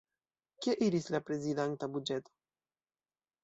Kie iris la prezidanta buĝeto?